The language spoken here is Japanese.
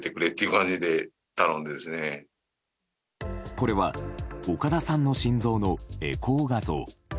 これは岡田さんの心臓のエコー画像。